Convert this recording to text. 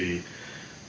beliau tidak pernah